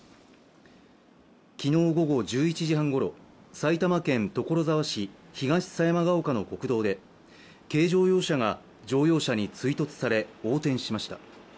昨日午後１１時半ごろ、埼玉県所沢市東狭山ヶ丘の国道で、軽乗用車が乗用車に追突され横転しました。